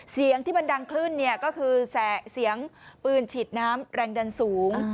เสียงที่มันดังขึ้นเนี่ยก็คือเสียงปืนฉีดน้ำแรงดันสูง